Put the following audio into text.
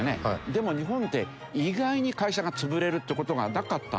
でも日本って意外に会社が潰れるって事がなかったんですよ。